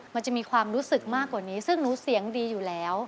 มันจะมีความรู้สึกมากกว่านี้ซึ่งหนูเสียงดีอยู่แล้ว